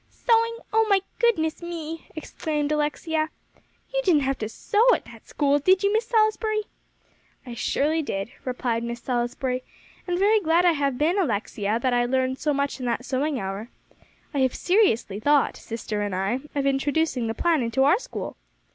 "Sewing? Oh my goodness me!" exclaimed Alexia. "You didn't have to sew at that school, did you, Miss Salisbury?" "I surely did," replied Miss Salisbury, "and very glad I have been, Alexia, that I learned so much in that sewing hour. I have seriously thought, sister and I, of introducing the plan into our school."